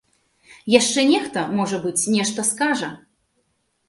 Яшчэ нехта, можа быць, нешта скажа.